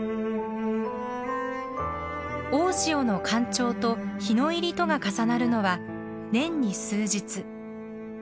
大潮の干潮と日の入りとが重なるのは年に数日。